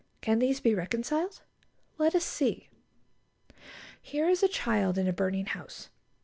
Can these be reconciled? Let us see. Here is a child in a burning house.